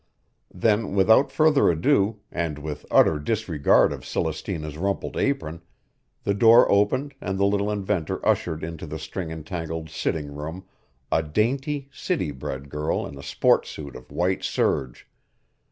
Then without further ado, and with utter disregard of Celestina's rumpled apron, the door opened and the little inventor ushered into the string entangled sitting room a dainty, city bred girl in a sport suit of white serge.